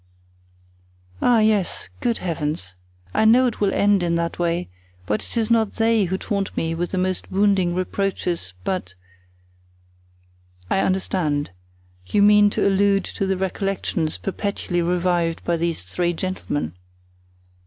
"Ah, yes! Good heavens! I know it will end in that way; but it is not they who taunt me with the most wounding reproaches, but——" "I understand; you mean to allude to the recollections perpetually revived by these three gentlemen.